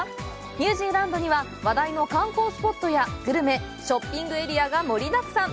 ニュージーランドには話題の観光スポットやグルメショッピングエリアが盛りだくさん。